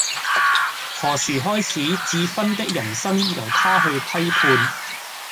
何時開始智勳的人生由他去批判